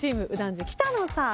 次北野さん。